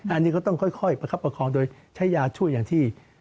อันนี้ก็ต้องค่อยประคับประคองโดยใช้ยาช่วยอย่างที่